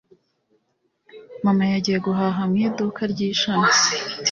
Mama yagiye guhaha mu iduka ry’ishami.